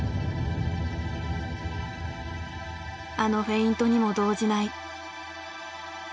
あのフェイントにも動じない。